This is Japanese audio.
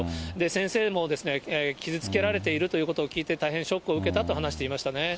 先生も傷つけられているということを聞いて、大変ショックを受けたと話していましたね。